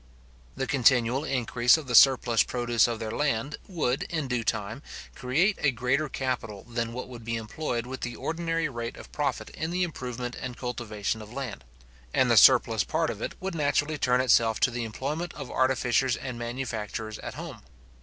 The continual increase of the surplus produce of their land would, in due time, create a greater capital than what would be employed with the ordinary rate of profit in the improvement and cultivation of land; and the surplus part of it would naturally turn itself to the employment of artificers and manufacturers, at home.